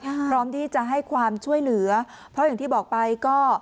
พร้อมที่จะให้ความช่วยเหลือเพราะอย่างที่บอกไปก็